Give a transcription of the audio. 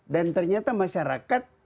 dan ternyata masyarakat